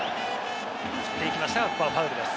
振っていきましたが、ここはファウルです。